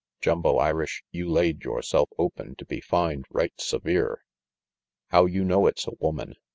Jumbo Irish, you laid yoreself open to be fined right severe." "How you know it's a woman?